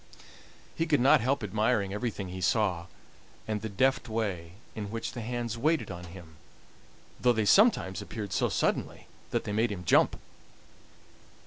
He could not help admiring everything he saw, and the deft way in which the hands waited on him, though they sometimes appeared so suddenly that they made him jump.